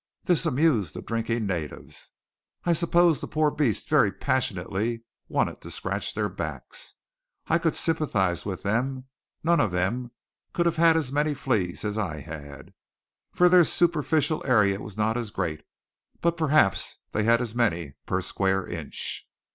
This amused the drinking natives. I suppose the poor beasts very passionately wanted to scratch their backs. I could sympathize with them; none of them could have had as many fleas as I had, for their superficial area was not as great; but perhaps they had as many per square inch.